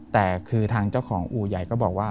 แต่คือทางเจ้าของอู่ใหญ่ก็บอกว่า